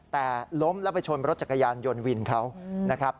แต่ล้มแล้วไปชนรถจักรยานยนต์วินเขานะครับ